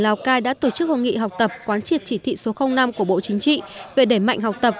lào cai đã tổ chức hội nghị học tập quán triệt chỉ thị số năm của bộ chính trị về đẩy mạnh học tập